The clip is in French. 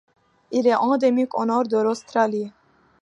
Il est endémique au nord de l'Australie.